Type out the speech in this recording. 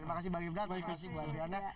terima kasih bang ifdal terima kasih bu adriana